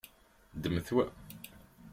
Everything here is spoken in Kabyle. Ddmet wa.